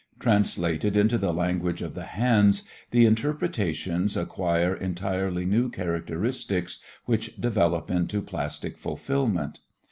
Translated into the language of the hands, the interpretations acquire entirely new characteristics which develop into plastic fulfilment.